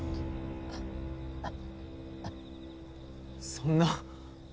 そんな。